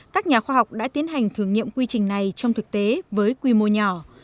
các nhà khoa học đã tiến hành thử nghiệm quy trình này trong thực tế với quy mô nhỏ